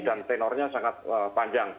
dan tenornya sangat panjang